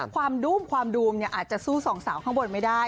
ความดูมความดูมอาจจะสู้สองสาวข้างบนไม่ได้